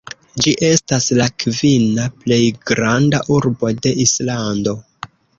Ĝi estas la kvina plej granda urbo de Islando.